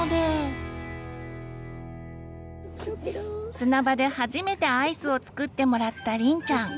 砂場で初めてアイスを作ってもらったりんちゃん。